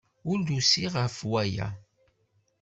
Ur d-usiɣ ɣef waya.